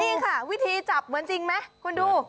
จริงค่ะวิธีจับเหมือนจริงไหมคุณดู